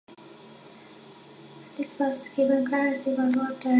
This was given currency by Porter.